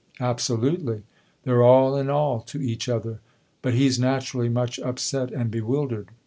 " Absolutely. They're all in all to each other. But he's naturally much upset and bewildered."